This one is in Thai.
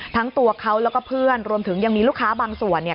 ทั้งตัวเขาแล้วก็เพื่อนรวมถึงยังมีลูกค้าบางส่วน